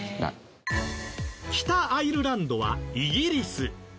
北アイルランドはイギリス。